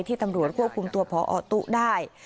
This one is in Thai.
ตำรวจควบคุมตัวพอตุ๊ได้